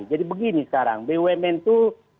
jadi begini sekarang bumn itu